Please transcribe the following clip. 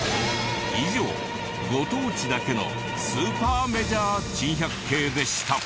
以上ご当地だけのスーパーメジャー珍百景でした。